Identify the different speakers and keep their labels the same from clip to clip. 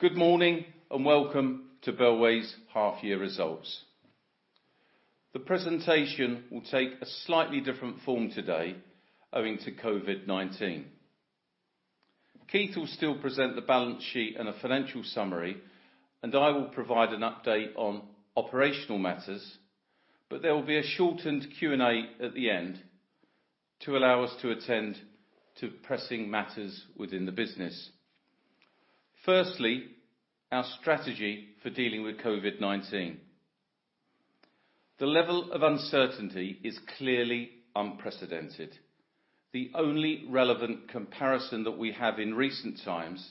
Speaker 1: Good morning, welcome to Bellway's half year results. The presentation will take a slightly different form today owing to COVID-19. Keith will still present the balance sheet and a financial summary, and I will provide an update on operational matters, but there will be a shortened Q and A at the end to allow us to attend to pressing matters within the business. Firstly, our strategy for dealing with COVID-19. The level of uncertainty is clearly unprecedented. The only relevant comparison that we have in recent times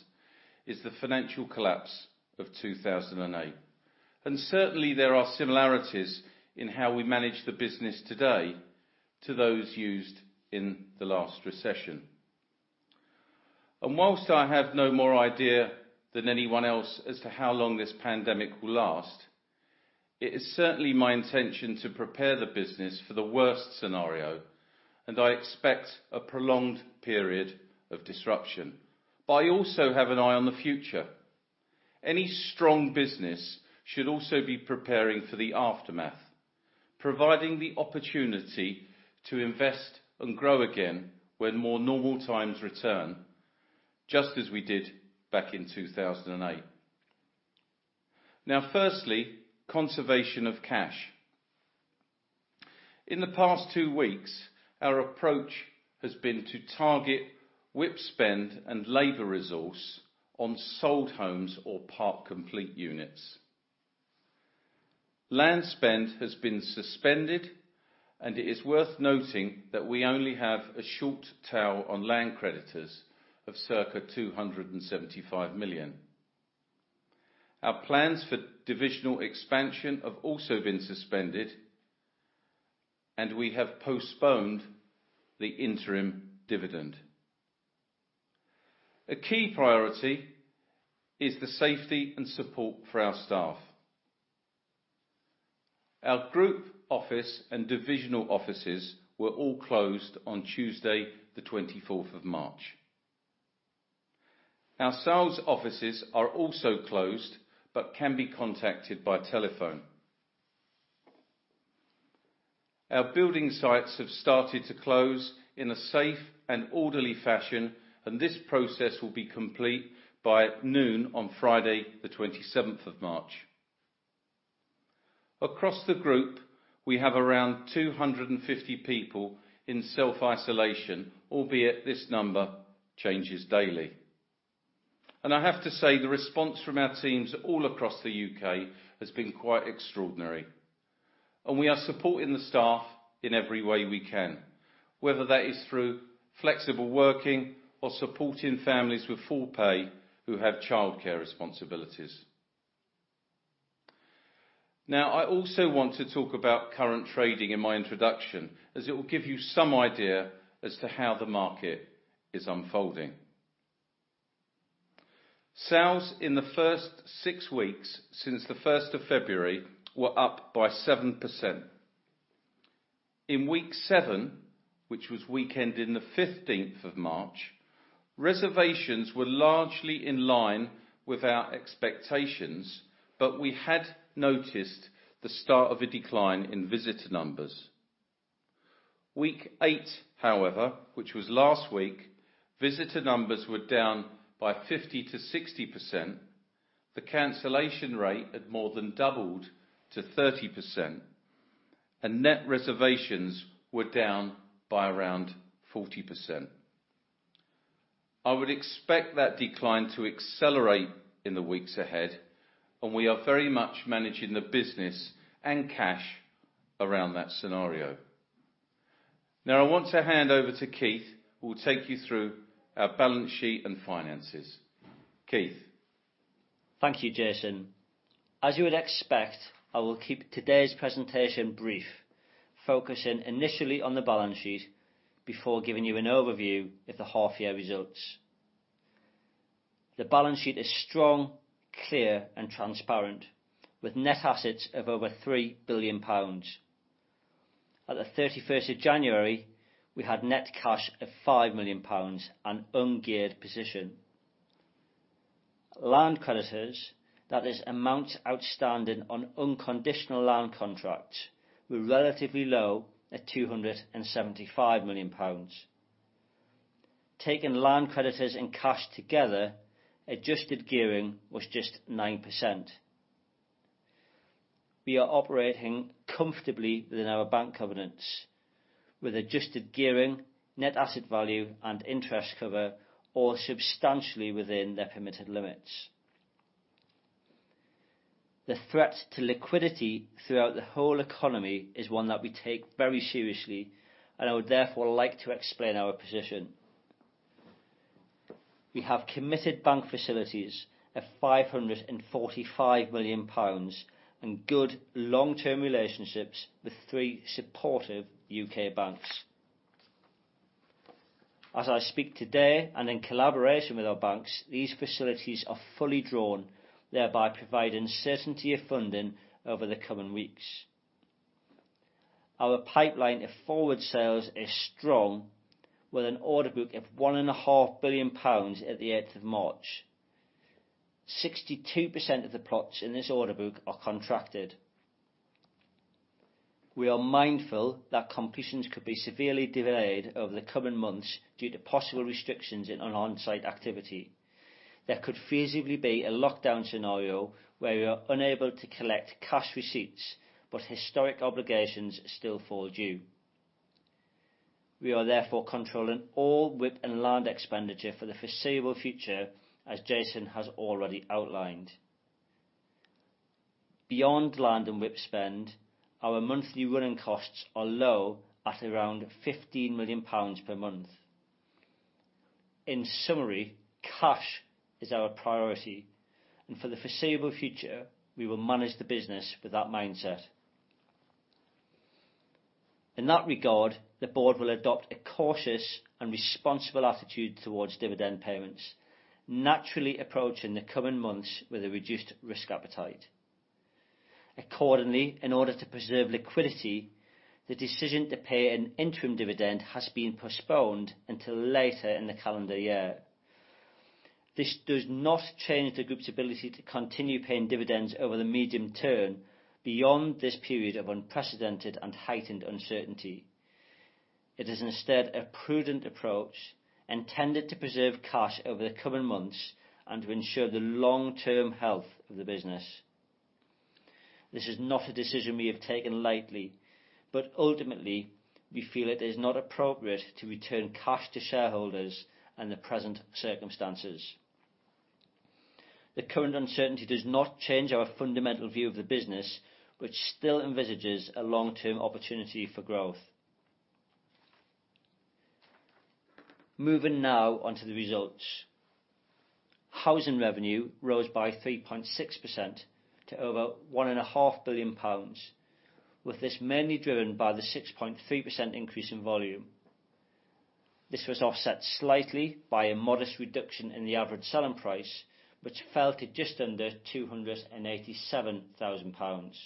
Speaker 1: is the financial collapse of 2008, and certainly, there are similarities in how we manage the business today to those used in the last recession. While I have no more idea than anyone else as to how long this pandemic will last, it is certainly my intention to prepare the business for the worst scenario, and I expect a prolonged period of disruption. I also have an eye on the future. Any strong business should also be preparing for the aftermath, providing the opportunity to invest and grow again when more normal times return, just as we did back in 2008. Firstly, conservation of cash. In the past two weeks, our approach has been to target WIP spend and labor resource on sold homes or part complete units. Land spend has been suspended. It is worth noting that we only have a short tail on land creditors of circa 275 million. Our plans for divisional expansion have also been suspended. We have postponed the interim dividend. A key priority is the safety and support for our staff. Our group office and divisional offices were all closed on Tuesday, the 24th of March. Our sales offices are also closed but can be contacted by telephone. Our building sites have started to close in a safe and orderly fashion, and this process will be complete by noon on Friday, the 27th of March. Across the group, we have around 250 people in self-isolation, albeit this number changes daily. I have to say, the response from our teams all across the U.K. has been quite extraordinary. We are supporting the staff in every way we can, whether that is through flexible working or supporting families with full pay who have childcare responsibilities. Now, I also want to talk about current trading in my introduction, as it will give you some idea as to how the market is unfolding. Sales in the first six weeks since the 1st of February were up by 7%. In week seven, which was weekended in the 15th of March, reservations were largely in line with our expectations. We had noticed the start of a decline in visitor numbers. Week eight, however, which was last week, visitor numbers were down by 50%-60%, the cancellation rate had more than doubled to 30%, and net reservations were down by around 40%. I would expect that decline to accelerate in the weeks ahead. We are very much managing the business and cash around that scenario. I want to hand over to Keith, who will take you through our balance sheet and finances. Keith.
Speaker 2: Thank you, Jason. As you would expect, I will keep today's presentation brief, focusing initially on the balance sheet before giving you an overview of the half year results. The balance sheet is strong, clear and transparent, with net assets of over 3 billion pounds. At the 31st of January, we had net cash of 5 million pounds, an ungeared position. Land creditors, that is amounts outstanding on unconditional land contracts, were relatively low at 275 million pounds. Taking land creditors and cash together, adjusted gearing was just 9%. We are operating comfortably within our bank covenants, with adjusted gearing, net asset value, and interest cover all substantially within their permitted limits. The threat to liquidity throughout the whole economy is one that we take very seriously, and I would therefore like to explain our position. We have committed bank facilities naturally approaching the coming months with a reduced risk appetite. Accordingly, in order to preserve liquidity, the decision to pay an interim dividend has been postponed until later in the calendar year. This does not change the group's ability to continue paying dividends over the medium term beyond this period of unprecedented and heightened uncertainty. It is instead a prudent approach intended to preserve cash over the coming months and to ensure the long-term health of the business. This is not a decision we have taken lightly, but ultimately, we feel it is not appropriate to return cash to shareholders in the present circumstances. The current uncertainty does not change our fundamental view of the business, which still envisages a long-term opportunity for growth. Moving now on to the results. Housing revenue rose by 3.6% to over 1.5 billion pounds. With this mainly driven by the 6.3% increase in volume. This was offset slightly by a modest reduction in the average selling price, which fell to just under 287,000 pounds.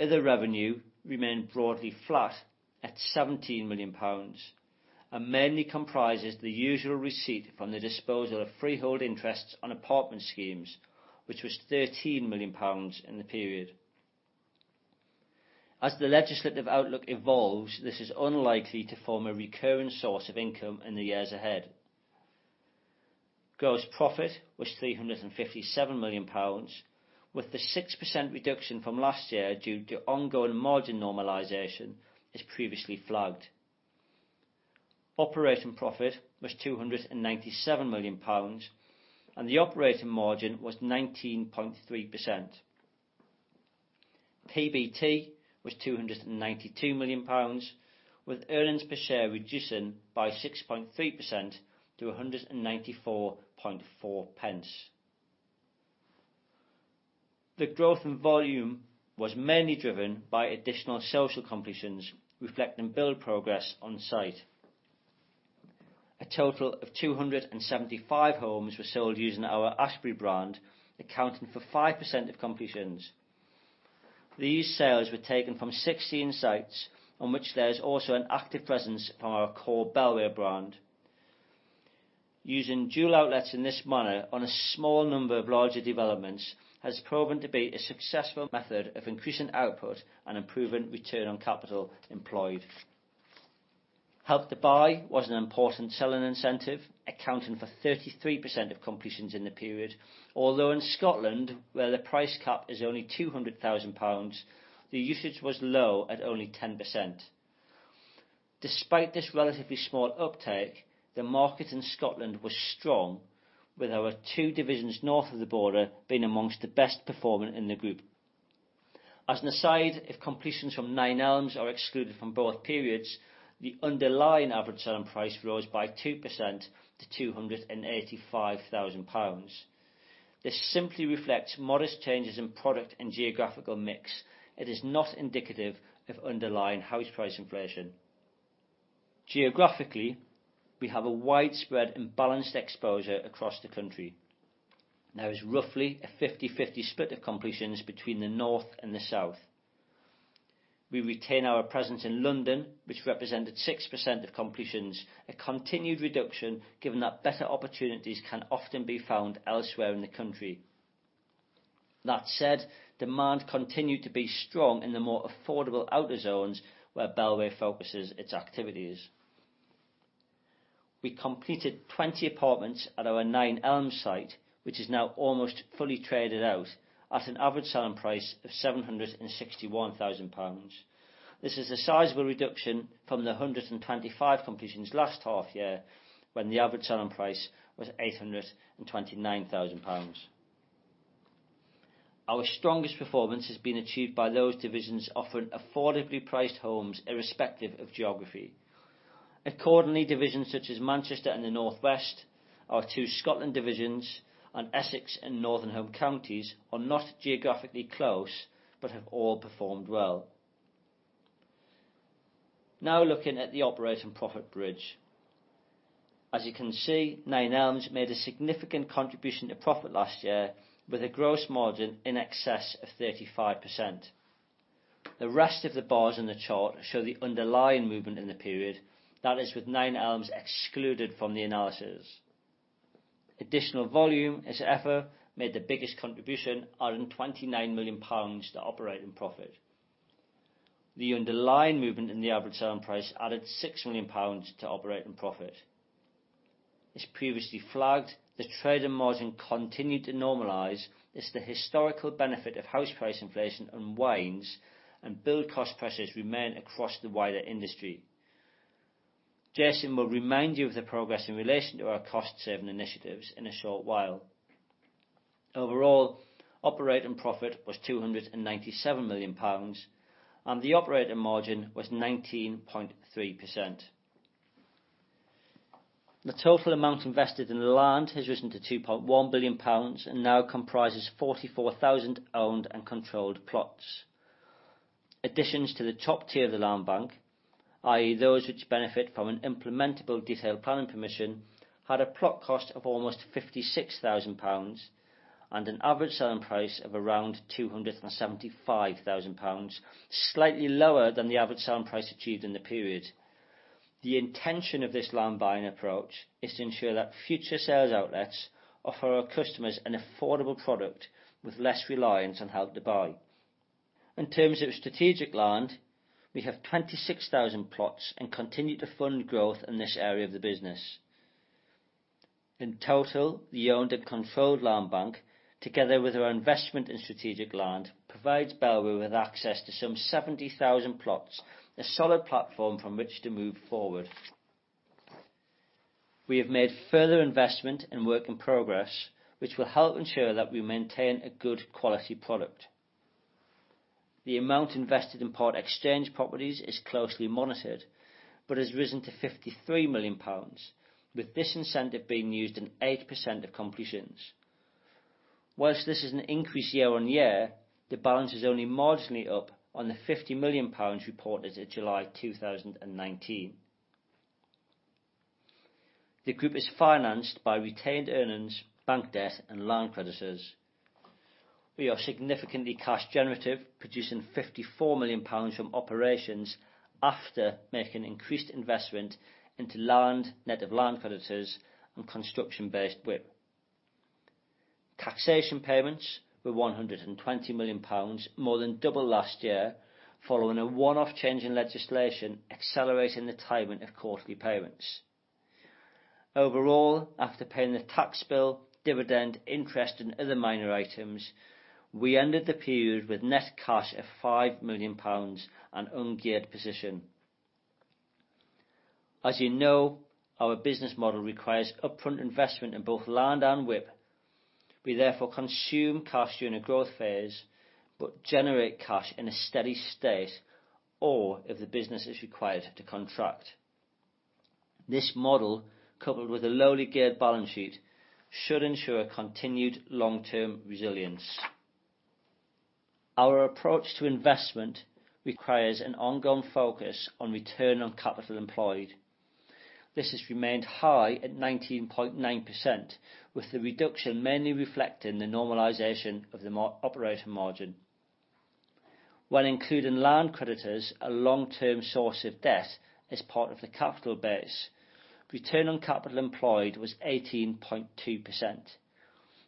Speaker 2: Other revenue remained broadly flat at 17 million pounds and mainly comprises the usual receipt from the disposal of freehold interests on apartment schemes, which was 13 million pounds in the period. As the legislative outlook evolves, this is unlikely to form a recurring source of income in the years ahead. Gross profit was 357 million pounds, with the 6% reduction from last year due to ongoing margin normalization, as previously flagged. Operating profit was 297 million pounds, and the operating margin was 19.3%. PBT was 292 million pounds, with earnings per share reducing by 6.3% to 1.944. The growth in volume was mainly driven by additional social completions reflecting build progress on site. A total of 275 homes were sold using our Ashberry brand, accounting for 5% of completions. These sales were taken from 16 sites on which there's also an active presence from our core Bellway brand. Using dual outlets in this manner on a small number of larger developments has proven to be a successful method of increasing output and improving return on capital employed. Help to Buy was an important selling incentive, accounting for 33% of completions in the period. Although in Scotland, where the price cap is only 200,000 pounds, the usage was low at only 10%. Despite this relatively small uptake, the market in Scotland was strong with our two divisions north of the border being amongst the best performing in the group. As an aside, if completions from Nine Elms are excluded from both periods, the underlying average selling price rose by 2% to 285,000 pounds. This simply reflects modest changes in product and geographical mix. It is not indicative of underlying house price inflation. Geographically, we have a widespread and balanced exposure across the country. There is roughly a 50/50 split of completions between the north and the south. We retain our presence in London, which represented 6% of completions, a continued reduction given that better opportunities can often be found elsewhere in the country. That said, demand continued to be strong in the more affordable outer zones where Bellway focuses its activities. We completed 20 apartments at our Nine Elms site, which is now almost fully traded out at an average selling price of 761,000 pounds. This is a sizable reduction from the 125 completions last half year when the average selling price was 829,000 pounds. Our strongest performance has been achieved by those divisions offering affordably priced homes irrespective of geography. Accordingly, divisions such as Manchester and the Northwest, our two Scotland divisions, and Essex and Northern Home Counties are not geographically close but have all performed well. Now looking at the operating profit bridge. As you can see, Nine Elms made a significant contribution to profit last year with a gross margin in excess of 35%. The rest of the bars in the chart show the underlying movement in the period, that is with Nine Elms excluded from the analysis. Additional volume, as ever, made the biggest contribution, adding 29 million pounds to operating profit. The underlying movement in the average selling price added 6 million pounds to operating profit. As previously flagged, the trading margin continued to normalize as the historical benefit of house price inflation unwinds and build cost pressures remain across the wider industry. Jason will remind you of the progress in relation to our cost-saving initiatives in a short while. Overall, operating profit was 297 million pounds, and the operating margin was 19.3%. The total amount invested in the land has risen to 2.1 billion pounds and now comprises 44,000 owned and controlled plots. Additions to the top tier of the land bank, i.e., those which benefit from an implementable detailed planning permission, had a plot cost of almost 56,000 pounds and an average selling price of around 275,000 pounds, slightly lower than the average selling price achieved in the period. The intention of this land buying approach is to ensure that future sales outlets offer our customers an affordable product with less reliance on Help to Buy. In terms of strategic land, we have 26,000 plots and continue to fund growth in this area of the business. In total, the owned and controlled land bank, together with our investment in strategic land, provides Bellway with access to some 70,000 plots, a solid platform from which to move forward. We have made further investment in work in progress, which will help ensure that we maintain a good quality product. The amount invested in part exchange properties is closely monitored, but has risen to 53 million pounds, with this incentive being used in 8% of completions. Whilst this is an increase year-over-year, the balance is only marginally up on the 50 million pounds reported in July 2019. The group is financed by retained earnings, bank debt, and land creditors. We are significantly cash generative, producing 54 million pounds from operations after making increased investment into land, net of land creditors, and construction-based WIP. Taxation payments were 120 million pounds, more than double last year, following a one-off change in legislation accelerating the timing of quarterly payments. Overall, after paying the tax bill, dividend, interest, and other minor items, we ended the period with net cash of 5 million pounds and ungeared position. As you know, our business model requires upfront investment in both land and WIP. We therefore consume cash during a growth phase, but generate cash in a steady state, or if the business is required to contract. This model, coupled with a lowly geared balance sheet, should ensure continued long-term resilience. Our approach to investment requires an ongoing focus on return on capital employed. This has remained high at 19.9%, with the reduction mainly reflecting the normalization of the operating margin. When including land creditors, a long-term source of debt is part of the capital base. Return on capital employed was 18.2%.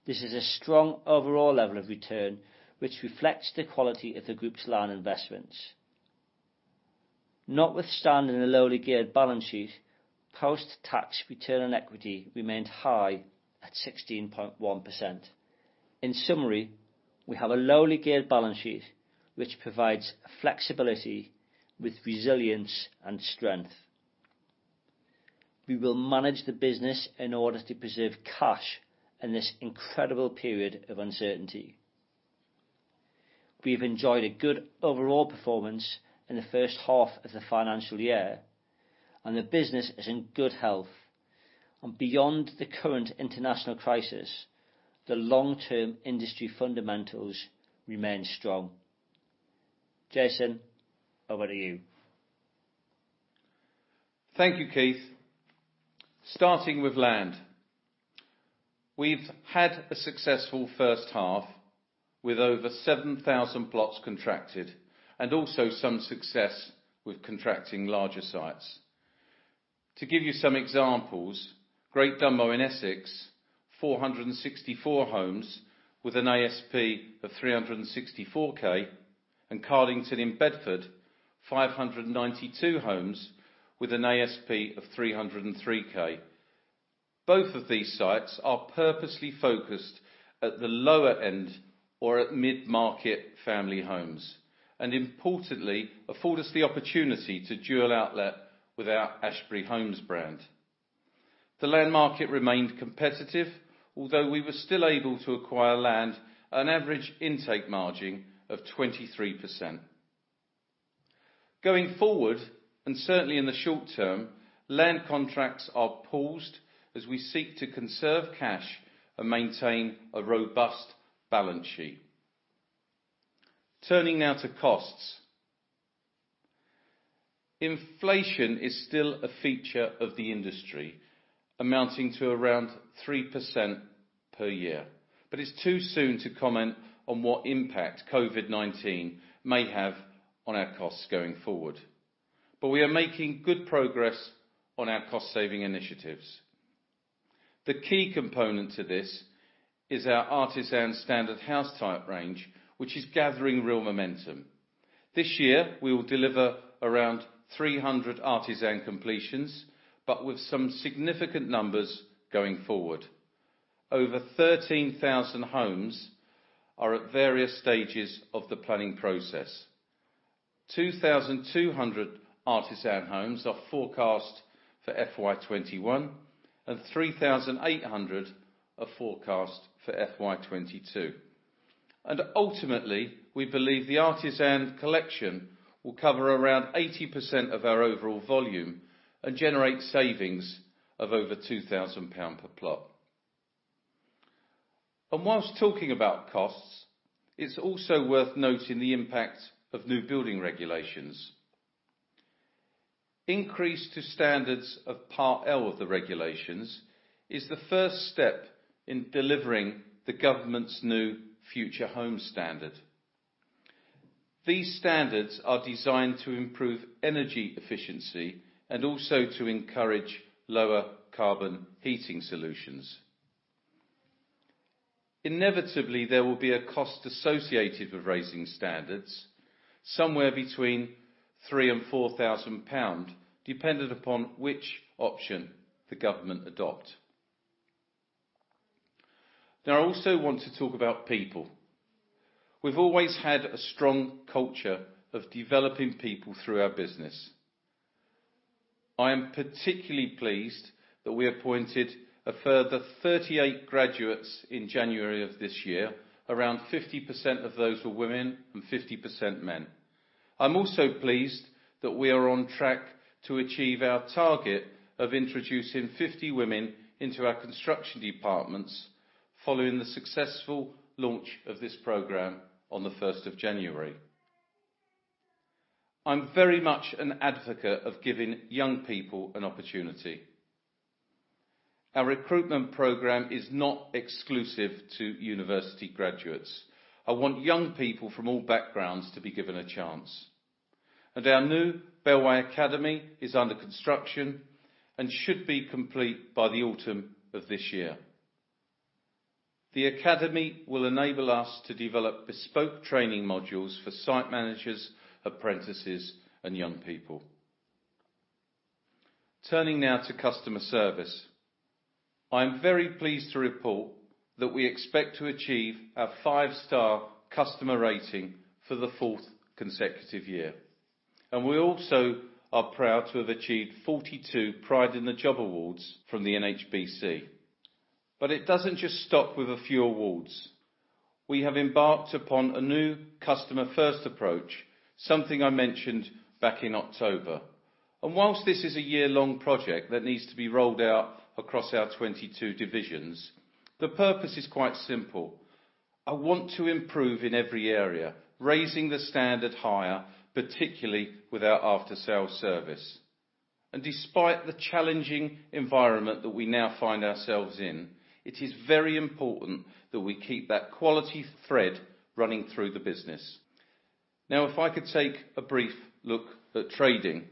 Speaker 2: This is a strong overall level of return, which reflects the quality of the group's land investments. Notwithstanding the lowly geared balance sheet, post-tax return on equity remained high at 16.1%. In summary, we have a lowly geared balance sheet, which provides flexibility with resilience and strength. We will manage the business in order to preserve cash in this incredible period of uncertainty. We've enjoyed a good overall performance in the first half of the financial year, and the business is in good health. Beyond the current international crisis, the long-term industry fundamentals remain strong. Jason, over to you.
Speaker 1: Thank you, Keith. Starting with land. We've had a successful first half with over 7,000 plots contracted and also some success with contracting larger sites. To give you some examples, Great Dunmow in Essex, 464 homes with an ASP of 364,000, and Cardington in Bedford, 592 homes with an ASP of 303,000. Both of these sites are purposely focused at the lower end or at midmarket family homes, and importantly, afford us the opportunity to dual outlet with our Ashberry Homes brand. The land market remained competitive, although we were still able to acquire land at an average intake margin of 23%. Going forward, and certainly in the short term, land contracts are paused as we seek to conserve cash and maintain a robust balance sheet. Turning now to costs. Inflation is still a feature of the industry, amounting to around 3% per year. It's too soon to comment on what impact COVID-19 may have on our costs going forward. We are making good progress on our cost saving initiatives. The key component to this is our Artisan standard house type range, which is gathering real momentum. This year, we will deliver around 300 Artisan completions, with some significant numbers going forward. Over 13,000 homes are at various stages of the planning process. 2,200 Artisan homes are forecast for FY 2021, 3,800 are forecast for FY 2022. Ultimately, we believe the Artisan Collection will cover around 80% of our overall volume and generate savings of over 2,000 pounds per plot. Whilst talking about costs, it's also worth noting the impact of new building regulations. Increase to standards of Part L of the regulations is the first step in delivering the government's new Future Homes Standard. These standards are designed to improve energy efficiency and also to encourage lower carbon heating solutions. Inevitably, there will be a cost associated with raising standards, somewhere between 3,000 and 4,000 pounds, dependent upon which option the government adopt. Now, I also want to talk about people. We've always had a strong culture of developing people through our business. I am particularly pleased that we appointed a further 38 graduates in January of this year. Around 50% of those were women and 50% men. I'm also pleased that we are on track to achieve our target of introducing 50 women into our construction departments following the successful launch of this program on the 1st of January. I'm very much an advocate of giving young people an opportunity. Our recruitment program is not exclusive to university graduates. I want young people from all backgrounds to be given a chance. Our new Bellway Academy is under construction and should be complete by the autumn of this year. The academy will enable us to develop bespoke training modules for site managers, apprentices, and young people. Turning now to customer service. I am very pleased to report that we expect to achieve our five-star customer rating for the fourth consecutive year. We also are proud to have achieved 42 Pride in the Job awards from the NHBC. It doesn't just stop with a few awards. We have embarked upon a new customer first approach, something I mentioned back in October. Whilst this is a year-long project that needs to be rolled out across our 22 divisions, the purpose is quite simple. I want to improve in every area, raising the standard higher, particularly with our after-sale service. Despite the challenging environment that we now find ourselves in, it is very important that we keep that quality thread running through the business. Now, if I could take a brief look at trading.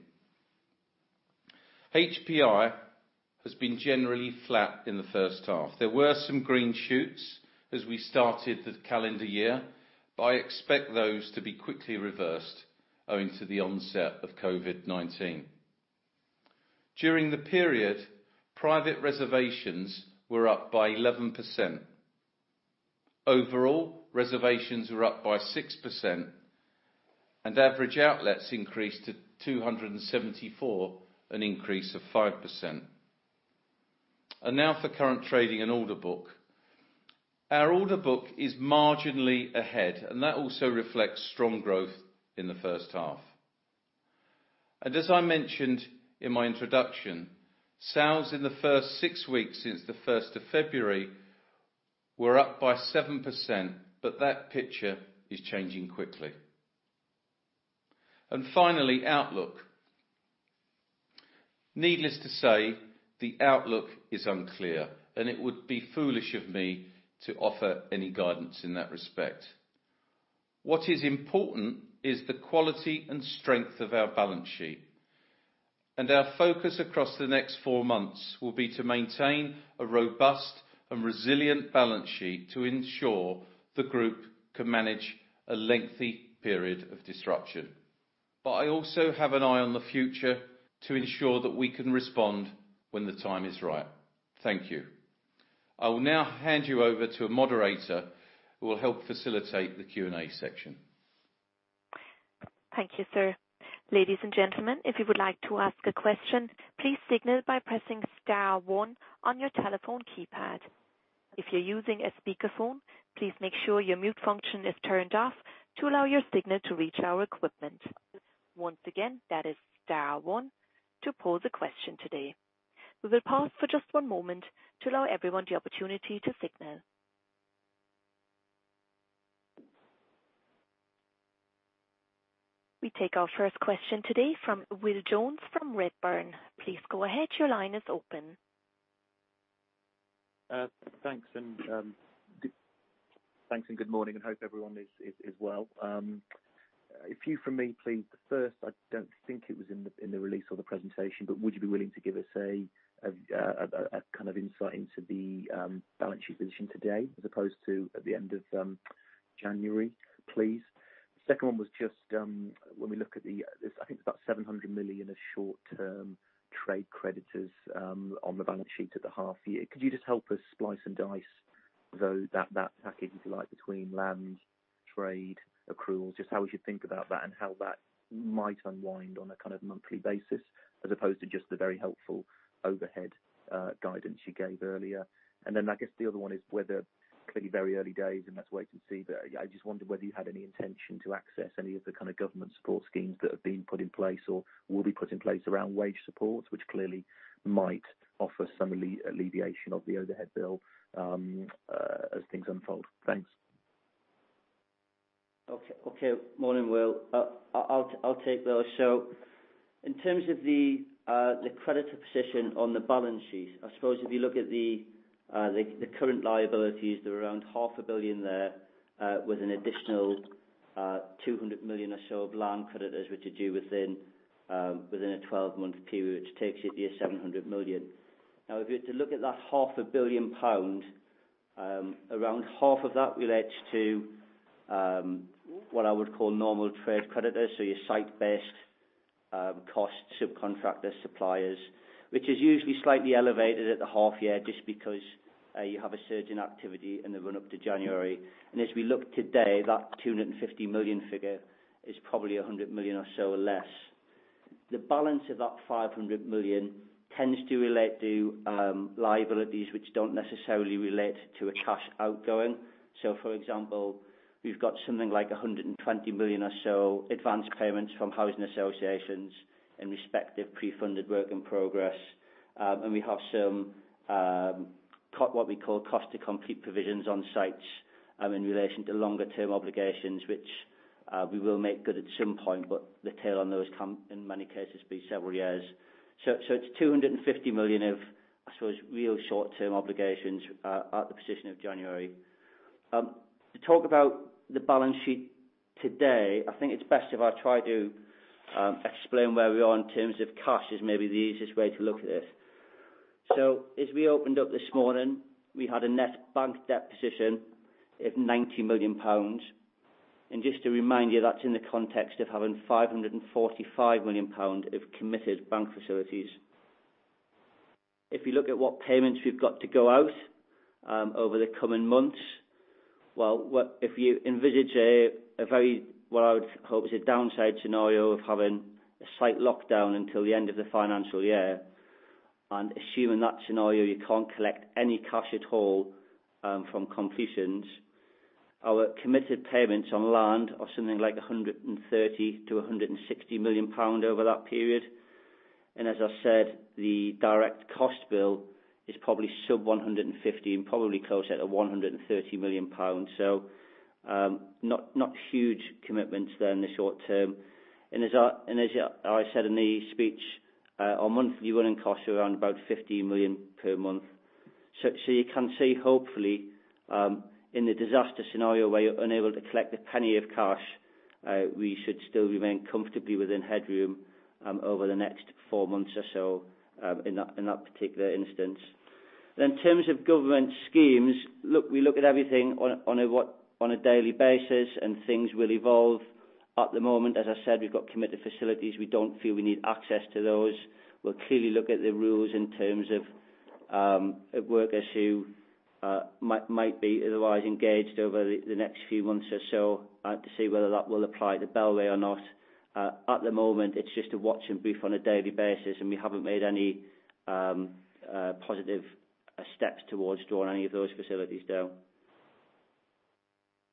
Speaker 1: HPI has been generally flat in the first half. There were some green shoots as we started the calendar year. I expect those to be quickly reversed owing to the onset of COVID-19. During the period, private reservations were up by 11%. Overall, reservations were up by 6%, and average outlets increased to 274, an increase of 5%. Now for current trading and order book. Our order book is marginally ahead, and that also reflects strong growth in the first half. As I mentioned in my introduction, sales in the first six weeks since the 1st of February were up by 7%, but that picture is changing quickly. Finally, outlook. Needless to say, the outlook is unclear, and it would be foolish of me to offer any guidance in that respect. What is important is the quality and strength of our balance sheet. Our focus across the next four months will be to maintain a robust and resilient balance sheet to ensure the group can manage a lengthy period of disruption. I also have an eye on the future to ensure that we can respond when the time is right. Thank you. I will now hand you over to a moderator who will help facilitate the Q and A section.
Speaker 3: Thank you, sir. Ladies and gentlemen, if you would like to ask a question, please signal by pressing star one on your telephone keypad. If you're using a speakerphone, please make sure your mute function is turned off to allow your signal to reach our equipment. Once again, that is star one to pose a question today. We will pause for just one moment to allow everyone the opportunity to signal. We take our first question today from Will Jones from Redburn. Please go ahead. Your line is open.
Speaker 4: Thanks, good morning, and hope everyone is well. A few from me, please. First, I don't think it was in the release or the presentation, but would you be willing to give us a kind of insight into the balance sheet position today as opposed to at the end of January, please? The second one was just when we look at the, I think it's about 700 million of short-term trade creditors on the balance sheet at the half year. Could you just help us splice and dice that package, between land, trade, accruals? Just how we should think about that and how that might unwind on a kind of monthly basis as opposed to just the very helpful overhead guidance you gave earlier. I guess the other one is whether, clearly very early days, and let's wait and see, but I just wondered whether you had any intention to access any of the kind of government support schemes that have been put in place or will be put in place around wage support, which clearly might offer some alleviation of the overhead bill as things unfold. Thanks.
Speaker 2: Okay. Morning, Will. I'll take those. In terms of the creditor position on the balance sheet, I suppose if you look at the current liabilities, they're around half a billion there, with an additional 200 million or so of land creditors, which are due within a 12-month period, which takes you to your 700 million. If you were to look at that 500 million pounds, around half of that relates to what I would call normal trade creditors, so your site-based costs, subcontractors, suppliers, which is usually slightly elevated at the half year just because you have a surge in activity in the run-up to January. As we look today, that 250 million figure is probably 100 million or so less. The balance of that 500 million tends to relate to liabilities which don't necessarily relate to a cash outgoing. For example, we've got something like 120 million or so advanced payments from housing associations in respect of pre-funded work in progress. We have some, what we call cost-to-complete provisions on sites, in relation to longer-term obligations, which we will make good at some point, but the tail on those can, in many cases, be several years. It's 250 million of, I suppose, real short-term obligations at the position of January. To talk about the balance sheet today, I think it's best if I try to explain where we are in terms of cash, is maybe the easiest way to look at this. As we opened up this morning, we had a net bank debt position of 90 million pounds. Just to remind you, that's in the context of having 545 million pounds of committed bank facilities. If you look at what payments we've got to go out over the coming months, well, if you envisage a very, what I would call, was a downside scenario of having a site lockdown until the end of the financial year, and assuming that scenario, you can't collect any cash at all from completions. Our committed payments on land are something like 130 million-160 million pound over that period. As I said, the direct cost bill is probably sub 150 million and probably closer to GBP 130 million. Not huge commitments there in the short term. As I said in the speech, our monthly running costs are around about 15 million per month. You can see, hopefully, in the disaster scenario where you're unable to collect a penny of cash, we should still remain comfortably within headroom over the next four months or so in that particular instance. In terms of government schemes, we look at everything on a daily basis, and things will evolve. At the moment, as I said, we've got committed facilities. We don't feel we need access to those. We'll clearly look at the rules in terms of workers who might be otherwise engaged over the next few months or so to see whether that will apply to Bellway or not. At the moment, it's just a watch and brief on a daily basis, and we haven't made any positive steps towards drawing any of those facilities down.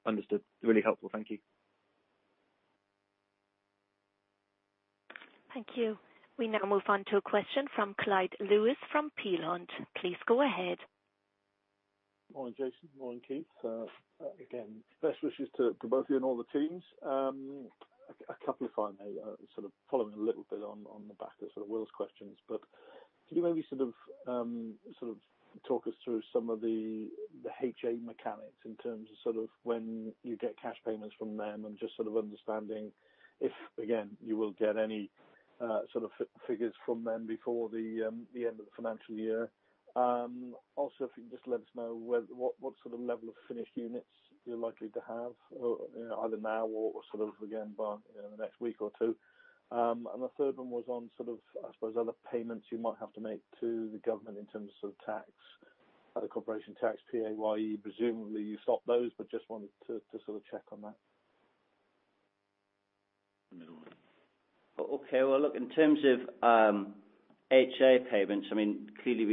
Speaker 4: Understood. Really helpful. Thank you.
Speaker 3: Thank you. We now move on to a question from Clyde Lewis from Peel Hunt. Please go ahead.
Speaker 5: Morning, Jason. Morning, Keith. Again, best wishes to both of you and all the teams. A couple if I may, sort of following a little bit on the back of Will's questions. Could you maybe talk us through some of the HA mechanics in terms of when you get cash payments from them and just understanding if, again, you will get any figures from them before the end of the financial year. If you can just let us know what sort of level of finished units you're likely to have, either now or again by the next week or two. The third one was on, I suppose, other payments you might have to make to the government in terms of tax, other corporation tax, PAYE. Presumably you stopped those, but just wanted to sort of check on that.
Speaker 2: In terms of HA payments, clearly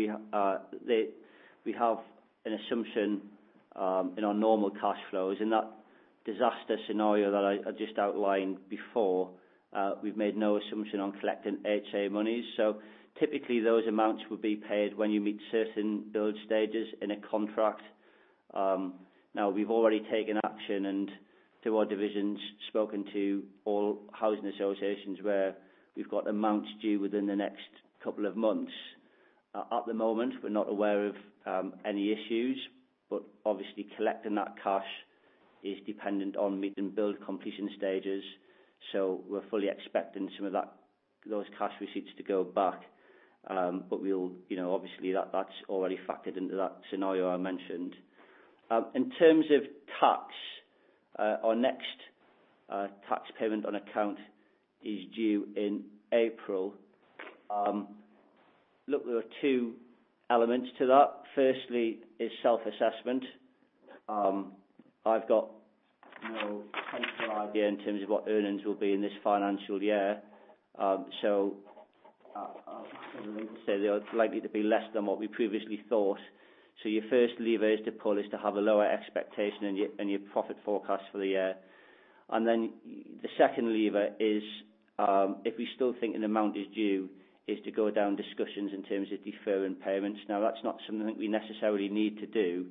Speaker 2: we have an assumption in our normal cash flows. In that disaster scenario that I just outlined before, we've made no assumption on collecting HA money. Typically, those amounts would be paid when you meet certain build stages in a contract. We've already taken action and, through our divisions, spoken to all housing associations where we've got amounts due within the next couple of months. At the moment, we're not aware of any issues, but obviously collecting that cash is dependent on meeting build completion stages. We're fully expecting some of those cash receipts to go back. Obviously, that's already factored into that scenario I mentioned. In terms of tax, our next tax payment on account is due in April. There are two elements to that. Firstly is self-assessment. I've got no central idea in terms of what earnings will be in this financial year. I would say they are likely to be less than what we previously thought. Your first lever is to pull, is to have a lower expectation in your profit forecast for the year. The second lever is, if we still think an amount is due, is to go down discussions in terms of deferring payments. That's not something that we necessarily need to do.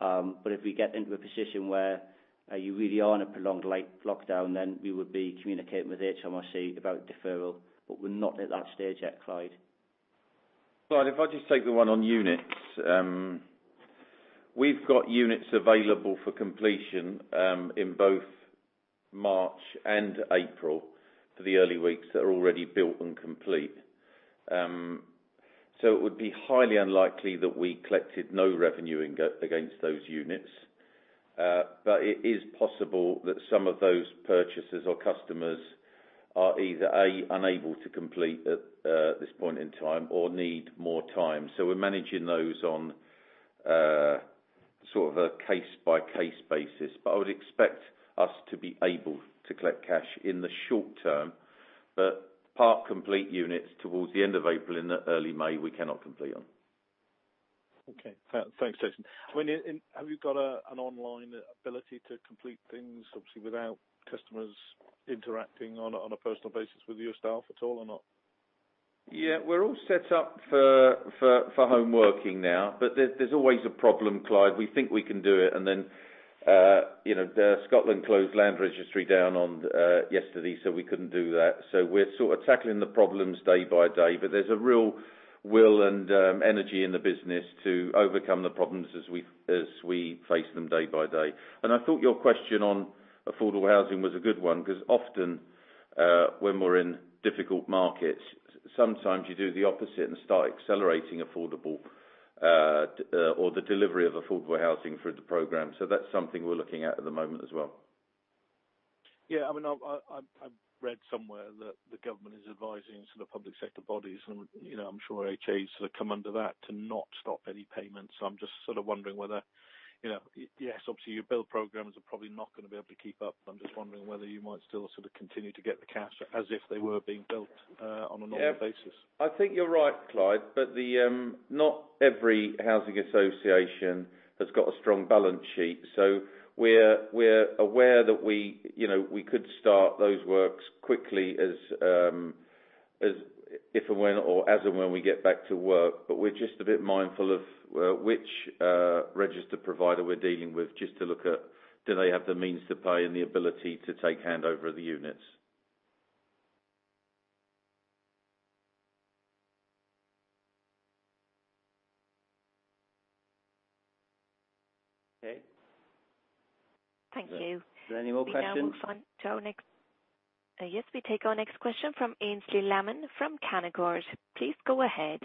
Speaker 2: If we get into a position where you really are on a prolonged lockdown, then we would be communicating with HMRC about deferral. We're not at that stage yet, Clyde.
Speaker 1: Clyde, if I just take the one on units. We've got units available for completion in both March and April for the early weeks that are already built and complete. It would be highly unlikely that we collected no revenue against those units. It is possible that some of those purchasers or customers are either, A, unable to complete at this point in time or need more time. We're managing those on a sort of a case-by-case basis. I would expect us to be able to collect cash in the short term. Part complete units towards the end of April into early May, we cannot complete on.
Speaker 5: Okay. Thanks, Jason. Have you got an online ability to complete things, obviously, without customers interacting on a personal basis with your staff at all or not?
Speaker 1: We're all set up for home working now. There's always a problem, Clyde. We think we can do it, and then Scotland closed Land Registry down yesterday, so we couldn't do that. We're sort of tackling the problems day by day. There's a real will and energy in the business to overcome the problems as we face them day by day. I thought your question on affordable housing was a good one, because often, when we're in difficult markets, sometimes you do the opposite and start accelerating affordable or the delivery of affordable housing through the program. That's something we're looking at at the moment as well.
Speaker 5: Yeah. I've read somewhere that the government is advising public sector bodies, and I'm sure HAs come under that, to not stop any payments. I'm just sort of wondering whether Yes, obviously, your build programs are probably not going to be able to keep up. I'm just wondering whether you might still sort of continue to get the cash as if they were being built on a normal basis.
Speaker 1: I think you're right, Clyde. Not every housing association has got a strong balance sheet. We're aware that we could start those works quickly as if and when or as and when we get back to work. We're just a bit mindful of which registered provider we're dealing with just to look at, do they have the means to pay and the ability to take handover of the units.
Speaker 5: Okay.
Speaker 3: Thank you.
Speaker 1: Are there any more questions?
Speaker 3: Yes, we take our next question from Aynsley Lammin from Canaccord. Please go ahead.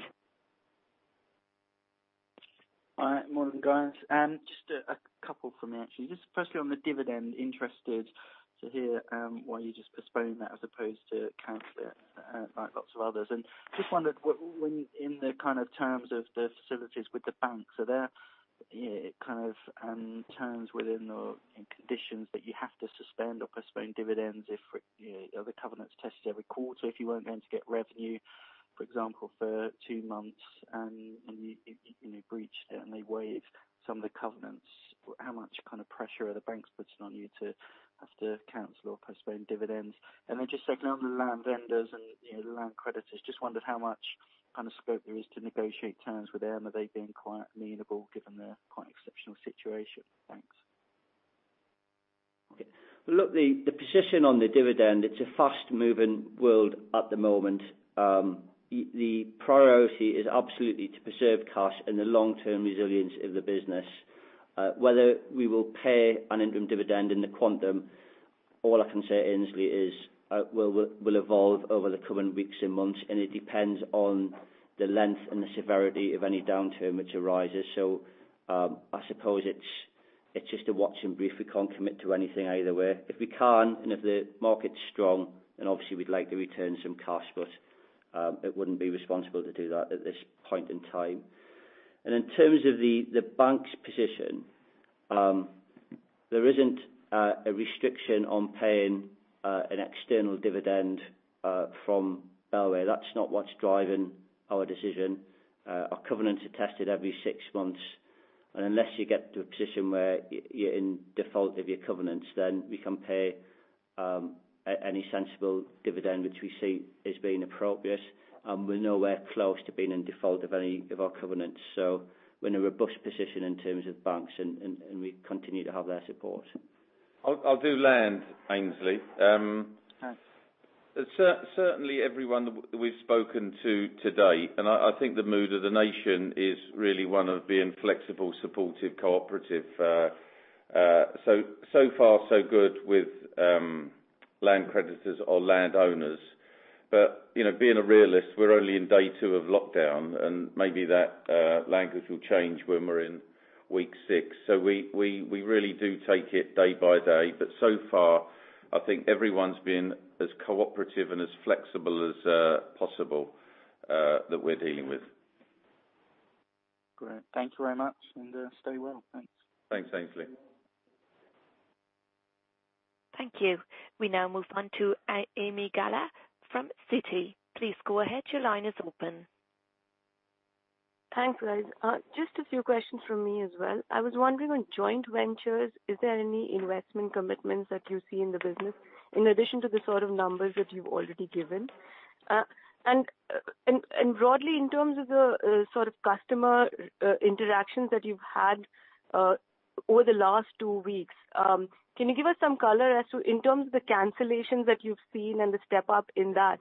Speaker 6: Hi. Morning, guys. Just a couple from me, actually. Just firstly on the dividend, interested to hear why you just postponed that as opposed to cancel it like lots of others. Just wondered, in the kind of terms of the facilities with the banks are there terms within or conditions that you have to suspend or postpone dividends if other covenants tested every quarter, if you weren't going to get revenue, for example, for two months, and you breached it and they waive some of the covenants. How much kind of pressure are the banks putting on you to have to cancel or postpone dividends? Then just taking on the land vendors and the land creditors, just wondered how much kind of scope there is to negotiate terms with them. Are they being quite amenable given the quite exceptional situation? Thanks.
Speaker 2: Okay. Look, the position on the dividend, it's a fast-moving world at the moment. The priority is absolutely to preserve cash and the long-term resilience of the business. Whether we will pay an interim dividend in the quantum, all I can say, Aynsley, is will evolve over the coming weeks and months, and it depends on the length and the severity of any downturn which arises. I suppose it's just a watch and brief. We can't commit to anything either way. If we can, and if the market's strong, then obviously we'd like to return some cash, but it wouldn't be responsible to do that at this point in time. In terms of the bank's position. There isn't a restriction on paying an external dividend from Bellway. That's not what's driving our decision. Our covenants are tested every six months, and unless you get to a position where you're in default of your covenants, then we can pay any sensible dividend which we see as being appropriate. We're nowhere close to being in default of any of our covenants. We're in a robust position in terms of banks, and we continue to have their support.
Speaker 1: I'll do land, Aynsley.
Speaker 6: Okay.
Speaker 1: Certainly everyone we've spoken to today, and I think the mood of the nation, is really one of being flexible, supportive, cooperative. Far so good with land creditors or landowners. Being a realist, we're only in day two of lockdown, and maybe that language will change when we're in week six. We really do take it day by day. So far, I think everyone's been as cooperative and as flexible as possible that we're dealing with.
Speaker 6: Great. Thank you very much. Stay well. Thanks.
Speaker 1: Thanks, Aynsley.
Speaker 3: Thank you. We now move on to Ami Galla from Citi. Please go ahead. Your line is open.
Speaker 7: Thanks, guys. Just a few questions from me as well. I was wondering on joint ventures, is there any investment commitments that you see in the business in addition to the sort of numbers that you've already given? Broadly, in terms of the sort of customer interactions that you've had over the last two weeks, can you give us some color as to, in terms of the cancellations that you've seen and the step-up in that,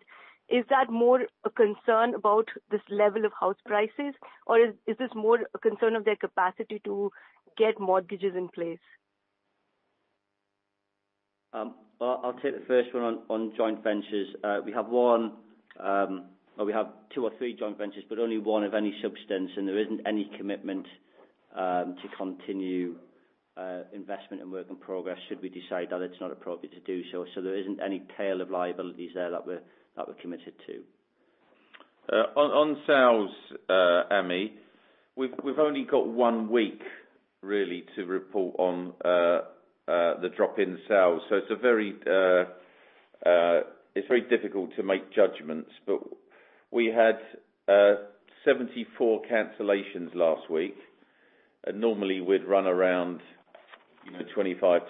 Speaker 7: is that more a concern about this level of house prices, or is this more a concern of their capacity to get mortgages in place?
Speaker 2: I'll take the first one on joint ventures. We have two or three joint ventures, but only one of any substance, and there isn't any commitment to continue investment and work in progress should we decide that it's not appropriate to do so. There isn't any tail of liabilities there that we're committed to.
Speaker 1: On sales, Ami, we've only got one week really to report on the drop in sales. It's very difficult to make judgments, but we had 74 cancellations last week. Normally we'd run around 25-30.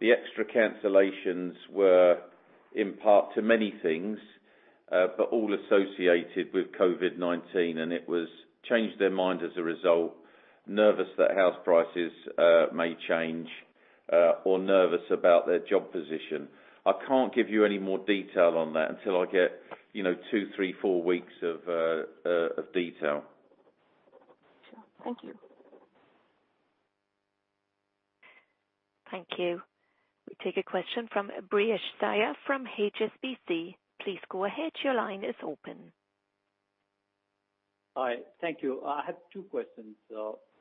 Speaker 1: The extra cancellations were in part to many things, but all associated with COVID-19. It was change their mind as a result, nervous that house prices may change, or nervous about their job position. I can't give you any more detail on that until I get two, three, four weeks of detail.
Speaker 7: Sure. Thank you.
Speaker 3: Thank you. We take a question from Brijesh Siya from HSBC. Please go ahead. Your line is open.
Speaker 8: Hi. Thank you. I have two questions.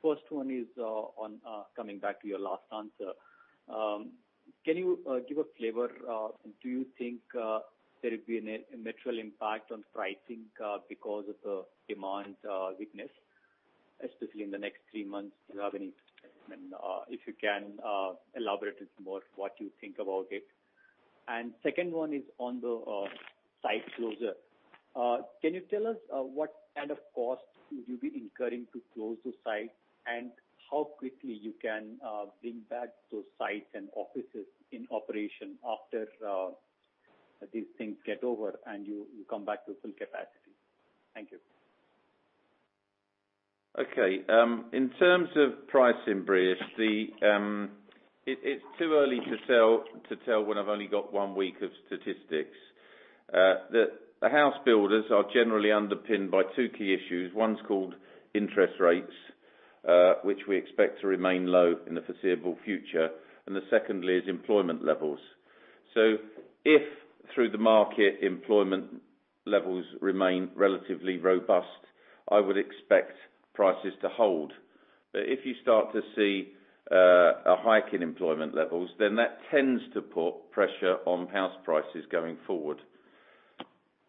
Speaker 8: First one is on coming back to your last answer. Can you give a flavor on, do you think there'll be a material impact on pricing because of the demand weakness, especially in the next three months? Do you have any statement, if you can elaborate it more, what you think about it? Second one is on the site closure. Can you tell us what kind of costs would you be incurring to close those sites, and how quickly you can bring back those sites and offices in operation after these things get over and you come back to full capacity? Thank you.
Speaker 1: In terms of pricing, Brijesh, it is too early to tell when I have only got one week of statistics. The house builders are generally underpinned by two key issues. One is called interest rates, which we expect to remain low in the foreseeable future, and the second is employment levels. If through the market employment levels remain relatively robust, I would expect prices to hold. If you start to see a hike in employment levels, that tends to put pressure on house prices going forward.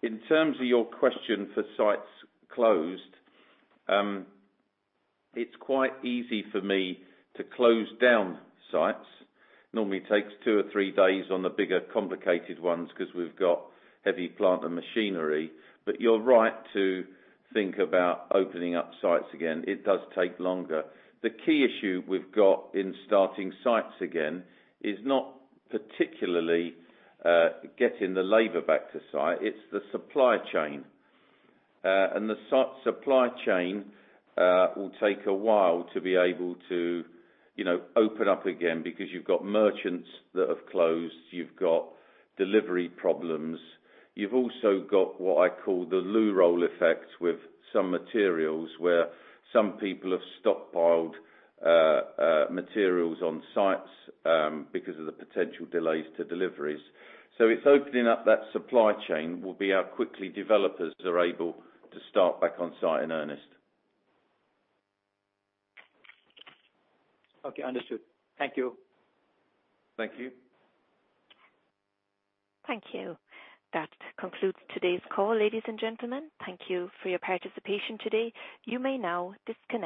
Speaker 1: In terms of your question for sites closed, it is quite easy for me to close down sites. Normally takes two or three days on the bigger, complicated ones because we have got heavy plant and machinery. You are right to think about opening up sites again. It does take longer. The key issue we've got in starting sites again is not particularly getting the labor back to site, it's the supply chain. The supply chain will take a while to be able to open up again because you've got merchants that have closed. You've got delivery problems. You've also got what I call the loo roll effect with some materials where some people have stockpiled materials on sites because of the potential delays to deliveries. It's opening up that supply chain will be how quickly developers are able to start back on site in earnest.
Speaker 8: Okay. Understood. Thank you.
Speaker 1: Thank you.
Speaker 3: Thank you. That concludes today's call, ladies and gentlemen. Thank you for your participation today. You may now disconnect.